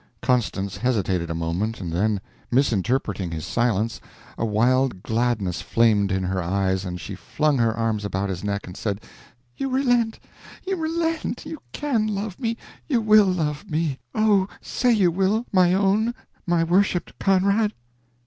Constance hesitated a moment, and then, misinterpreting his silence, a wild gladness flamed in her eyes, and she flung her arms about his neck and said: "You relent! you relent! You can love me you will love me! Oh, say you will, my own, my worshipped Conrad!"